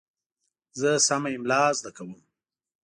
زه سمه املا زده کوم.